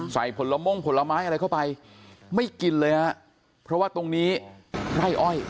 ผลม่งผลไม้อะไรเข้าไปไม่กินเลยฮะเพราะว่าตรงนี้ไร่อ้อย